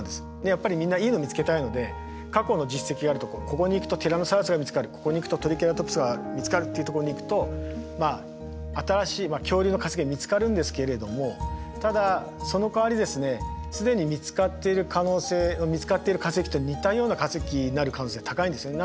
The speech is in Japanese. やっぱりみんないいのを見つけたいので過去の実績があるとこここに行くとティラノサウルスが見つかるここに行くとトリケラトプスが見つかるっていうところに行くとまあ新しい恐竜の化石が見つかるんですけれどもただそのかわりですね既に見つかっている可能性見つかっている化石と似たような化石になる可能性が高いんですよね。